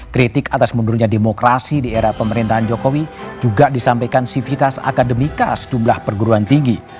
kritik atas mundurnya demokrasi di era pemerintahan jokowi juga disampaikan sivitas akademika sejumlah perguruan tinggi